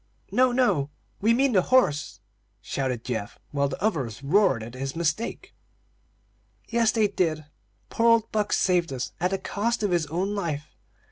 "No, no, we mean the horse;" shouted Geoff, while the others roared at the mistake. "Yes, they did. Poor old Buck saved us, at the cost of his own life.